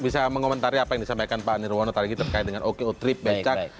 bisa mengomentari apa yang disampaikan pak nirwono tadi gitu terkait dengan okeotrip becak